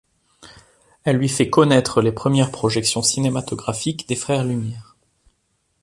Elle lui fait connaître les premières projections cinématographiques des frères Lumière.